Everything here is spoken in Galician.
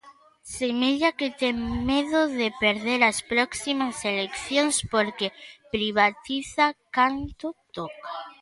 Semella que ten medo de perder as próximas eleccións porque privatiza canto toca.